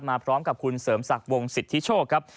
มาพร้อมกับคุณเสริมศักดิ์วงสิทธิโชคครับ